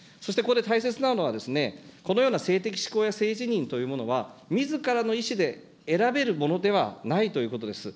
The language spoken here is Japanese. そしてここで大切なのは、このような性的指向や性自認というのは、みずからの意思で選べるものではないということです。